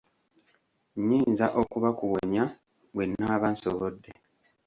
Nnyinza okubakuwonya bwe nnaaba nsobodde.